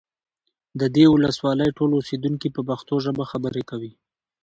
د دې ولسوالۍ ټول اوسیدونکي په پښتو ژبه خبرې کوي